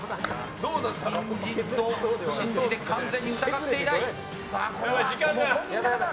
ニンジンと信じて完全に疑っていない。